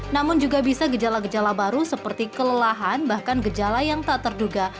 namun juga bisa gejala gejala baru seperti kelelahan bahkan gejala yang tak terduga